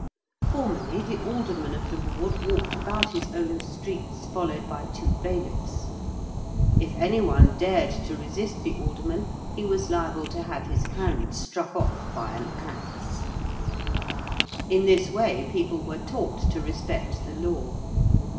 Formerly the Alderman of the Ward walked about his own streets followed by two bailiffs. If any one dared to resist the Alderman he was liable to have his hand struck off by an axe. In this way people were taught to respect the Law.